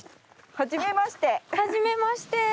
はじめまして。